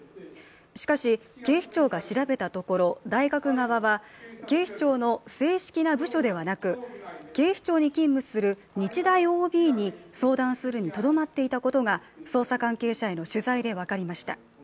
しかし、警視庁が調べたところ大学側は警視庁の正式な部署ではなく警視庁に勤務する日大ＯＢに相談するにとどまっていたことが捜査関係者への取材で分かりました。